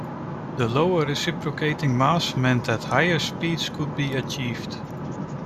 The lower reciprocating mass meant that higher speeds could be achieved.